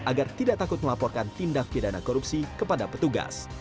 agar tidak takut melaporkan tindak pidana korupsi kepada petugas